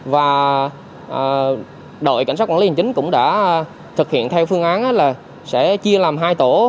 và đội cảnh sát quản lý hành chính cũng đã thực hiện theo phương án là sẽ chia làm hai tổ